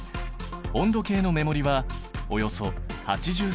温度計の目盛りはおよそ８３℃。